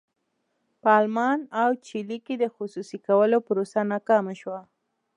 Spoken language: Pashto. په المان او چیلي کې د خصوصي کولو پروسه ناکامه شوه.